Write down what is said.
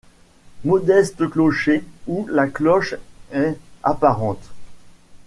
Modeste clocher où la cloche est apparente.